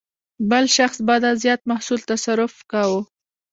بل شخص به دا زیات محصول تصرف کاوه.